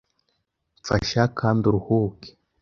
Mfasha kandi uruhuke